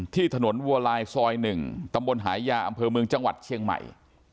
ที่ถนนวัวลายซอย๑ตำบลหายาอำเภอเมืองจังหวัดเชียงใหม่